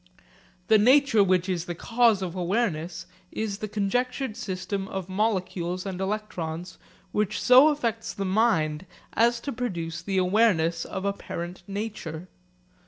The nature which is the cause of awareness is the conjectured system of molecules and electrons which so affects the mind as to produce the awareness of apparent nature.